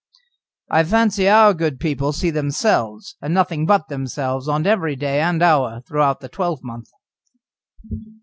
"I fancy our good people see themselves, and nothing but themselves, on every day and hour throughout the twelvemonth."